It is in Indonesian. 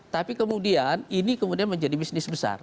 tapi kemudian ini kemudian menjadi bisnis besar